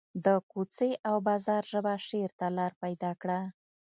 د کوڅې او بازار ژبه شعر ته لار پیدا کړه